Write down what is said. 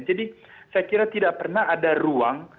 jadi saya kira tidak pernah ada ruang